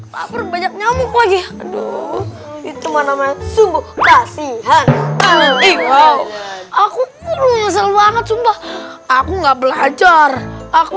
laper banyak nyamuk lagi aduh itu mana mana sungguh kasihan aku aku nggak belajar aku